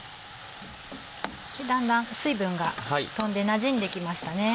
だんだん水分が飛んでなじんできましたね。